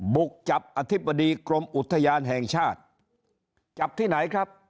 บุกจับอธิบดีกรมอุทยานแห่งชาติจับที่ไหนครับ